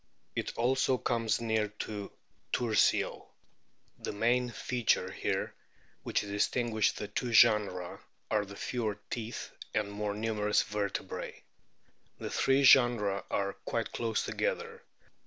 It also comes near. to Tursio ; the main features here which distinguish the two genera are the fewer teeth and o o more numerous vertebrae. The three orenera are O quite close together.